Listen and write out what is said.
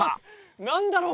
何だろう？